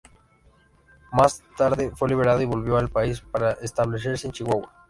Más tarde fue liberado y volvió al país para establecerse en Chihuahua.